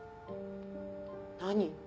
何？